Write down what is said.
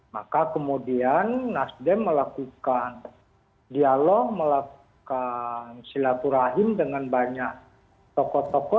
maka kemudian nasdem melakukan dialog melakukan silaturahim dengan banyak tokoh tokoh